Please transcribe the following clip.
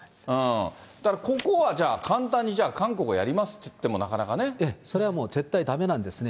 だからここはじゃあ、簡単にじゃあ、韓国がやりますって言ってもそれはもう絶対だめなんですね。